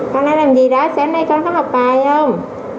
con nói làm gì đó sáng nay con có học bài không